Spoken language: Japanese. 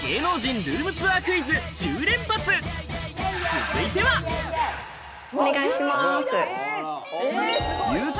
続いてはお願いします。